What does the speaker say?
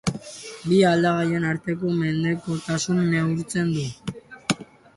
Bi aldagaien arteko mendekotasuna neurtzen du.